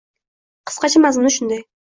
Qisqacha mazmuni shunday: